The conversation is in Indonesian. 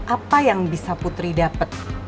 apa yang bisa putri dapat